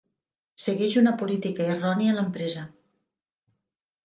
Segueix una política errònia en l'empresa.